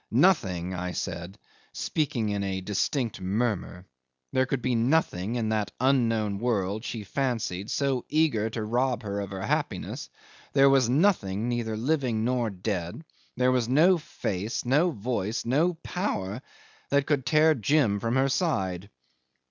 Nothing I said, speaking in a distinct murmur there could be nothing, in that unknown world she fancied so eager to rob her of her happiness, there was nothing, neither living nor dead, there was no face, no voice, no power, that could tear Jim from her side.